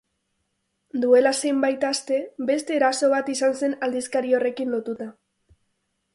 Duela zenbait aste beste eraso bat izan zen aldizkari horrekin lotuta.